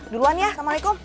duluan ya assalamualaikum